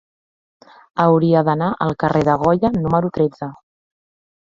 Hauria d'anar al carrer de Goya número tretze.